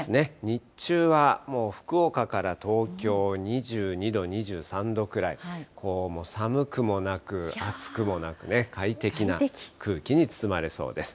日中は、もう福岡から東京２２度、２３度くらい、寒くもなく、暑くもなくね、快適な空気に包まれそうです。